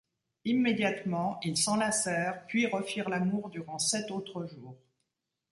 Immédiatement, ils s'enlacèrent puis refirent l'amour durant sept autres jours.